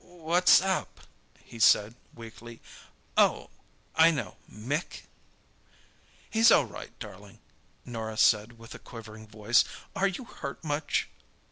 "What's up?" he said weakly. "Oh, I know.... Mick?" "He's all right, darling," Norah said, with a quivering voice. "Are you hurt much?"